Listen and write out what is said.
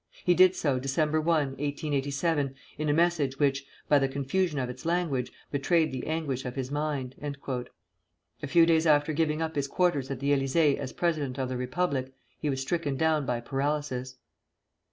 He did so Dec. 1, 1887, in a message which, by the confusion of its language, betrayed the anguish of his mind." A few days after giving up his quarters at the Élysée as president of the Republic, he was stricken down by paralysis.